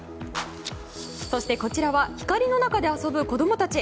そして、こちらは光の中で遊ぶ子供たち。